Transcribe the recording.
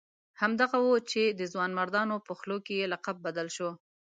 همدغه وو چې د ځوانمردانو په خولو کې یې لقب بدل شو.